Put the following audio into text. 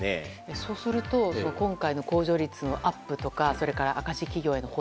そうすると今回、控除率のアップとかそれから赤字企業への補填